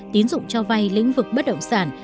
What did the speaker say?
tín dụng cho vay lĩnh vực bất động sản